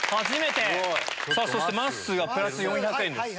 そしてまっすーがプラス４００円です。